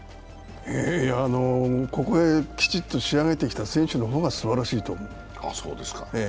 ここへきちっと仕上げてきた選手の方がすばらしいと思う。